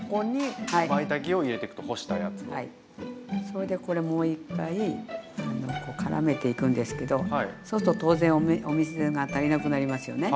それでこれもう一回からめていくんですけどそうすると当然お水が足りなくなりますよね。